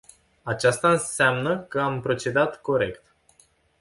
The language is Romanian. Aceasta înseamnă că am procedat corect.